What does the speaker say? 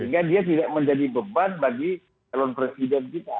sehingga dia tidak menjadi beban bagi calon presiden kita